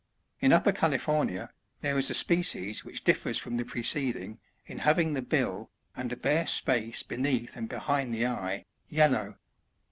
In Upper California, there is a species which diff*ers from the pre ceding, in having the bill, and a bare space beneath and behind the eye, yellow.